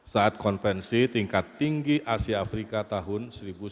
saat konvensi tingkat tinggi asia afrika tahun seribu sembilan ratus sembilan puluh